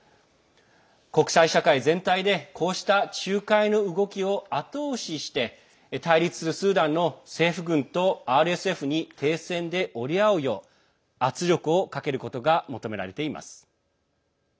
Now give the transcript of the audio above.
国際社会全体でこうした仲介の動きを後押しして対立するスーダンの政府軍とＲＳＦに停戦で折り合うよう圧力をかけることが求められています。